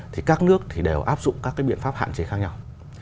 thì các nước thì đều áp dụng các cái biện pháp hạn chế khác nhau